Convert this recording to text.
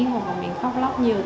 hoặc là mình khóc lóc nhiều